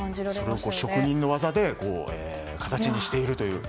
それを職人の技で形にしていると。